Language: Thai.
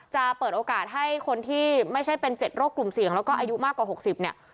จะเปิดโอกาสให้คนที่ไม่ใช่เป็น๗โรคกลุ่มเสี่ยงแล้วก็อายุมากกว่า๖๐เนี่ย